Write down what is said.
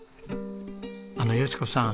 あの淑子さん